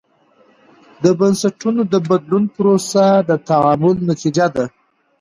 د بنسټونو د بدلون پروسه د تعامل نتیجه ده.